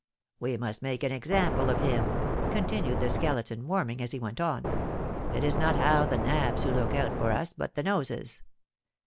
"We must make an example of him," continued the Skeleton, warming as he went on. "It is not now the nabs who look out for us, but the noses.